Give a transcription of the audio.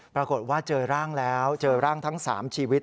ปรากฏว่าเจอร่างแล้วเจอร่างทั้ง๓ชีวิต